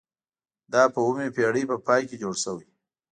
دا په اوومې پیړۍ په پای کې جوړ شوي.